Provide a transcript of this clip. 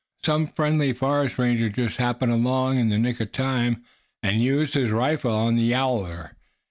Some friendly forest ranger just happened along in the nick of time, and used his rifle on the yowler.